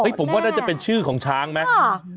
เห้ยฮึยฉันว่าจะเป็นชื่อของช้างนะฮรู